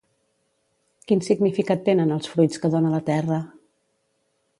Quin significat tenen els fruits que dona la terra?